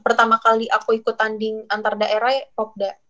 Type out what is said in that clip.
pertama kali aku ikut tanding antar daerah ya popda